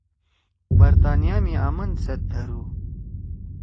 برطانیہ می آمن سیت دھرُو